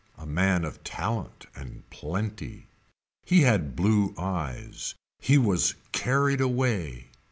A man of talent and plenty. He had blue eyes. He was carried away.